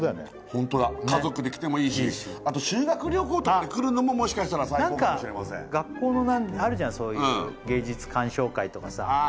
ホントだ家族で来てもいいしあと修学旅行とかで来るのももしかしたら最高かもしれません学校のあるじゃんそういう芸術鑑賞会とかさあ